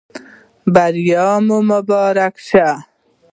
بریا مو مبارک شه